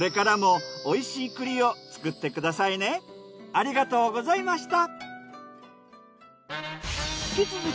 これからもありがとうございました。